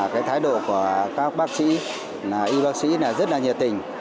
cái thái độ của các bác sĩ y bác sĩ là rất là nhiệt tình